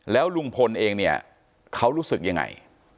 แล้วลุงพลเองเนี่ยเขารู้สึกยังไง